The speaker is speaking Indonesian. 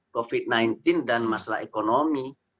covid sembilan belas dan masalah ekonomi